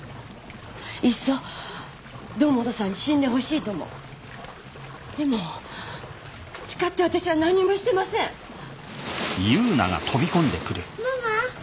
いっそ堂本さんに死んでほしいともでも誓って私は何にもしてませんママ！